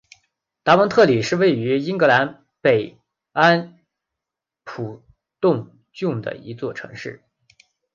达文特里是位于英格兰北安普敦郡的一座城市。